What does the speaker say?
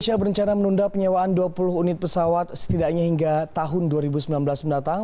indonesia berencana menunda penyewaan dua puluh unit pesawat setidaknya hingga tahun dua ribu sembilan belas mendatang